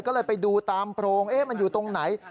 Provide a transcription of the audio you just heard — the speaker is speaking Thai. ก็เลยไปดูตามโปรงมันอยู่ตรงไหน